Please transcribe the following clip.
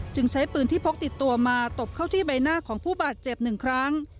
ใช้ปืนที่พกติดตัวมาตบเข้าที่ใบหน้าของผู้บาดเจ็บหนึ่งครั้ง